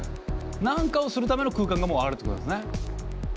何かをするための空間がもうあるってことですね。